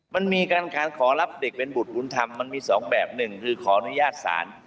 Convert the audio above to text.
มันมีการขอรับเด็กเป็นบุตรบุญธรรมมันมีสองแบบหนึ่งคือขออนุญาตศาล